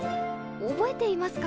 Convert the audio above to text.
覚えていますか？